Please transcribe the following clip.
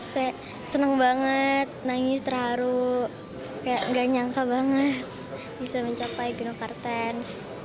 saya senang banget nangis terharu kayak gak nyangka banget bisa mencapai genokarten